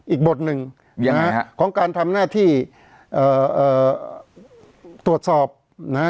อีกบทหนึ่งนะฮะของการทำหน้าที่เอ่อตรวจสอบนะฮะ